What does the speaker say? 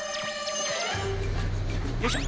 よいしょ。